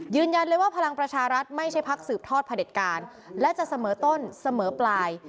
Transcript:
ยืนยันเลยว่าพลังประชารัฐไม่ใช่พักสืบทอดพระเด็จการและจะเสมอต้นเสมอปลาย